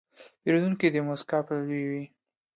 پیرودونکی د موسکا پلوی وي.